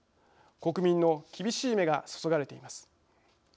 国民の厳しい目が注がれています。